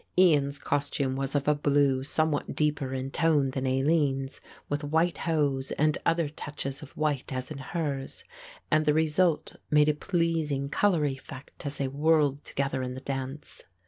Ian's costume was of a blue somewhat deeper in tone than Aline's, with white hose and other touches of white as in hers; and the result made a pleasing colour effect as they whirled together in the dance.